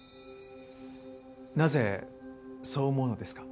なぜそう思うのですか？